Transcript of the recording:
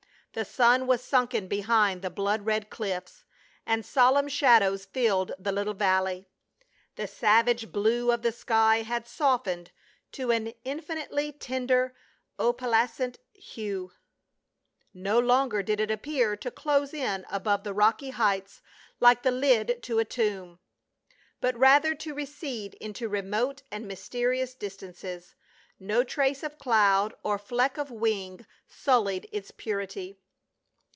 The sun was sunken behind the blood red cliffs, and solemn shadows filled the little valley. The savage blue of the sky had softened to an infinitely tender opalescent hue ; no longer did it appear to close in above the rocky heights like the lid to a tomb, but rather to recede into remote and mysterious dis tances ; no trace of cloud or fleck of wing sullied its purity.